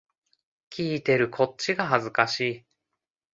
聞いてるこっちが恥ずかしい